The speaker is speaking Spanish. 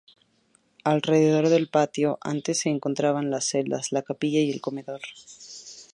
Alrededor del patio, antes se encontraban las celdas, la capilla y el comedor.